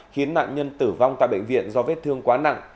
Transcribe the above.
khiến nạn nhân tử vong tại bệnh viện do vết thương quá nặng